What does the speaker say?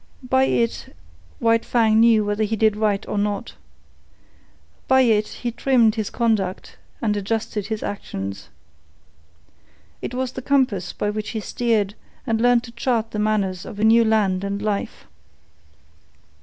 By it White Fang knew whether he did right or not. By it he trimmed his conduct and adjusted his actions. It was the compass by which he steered and learned to chart the manners of a new land and life.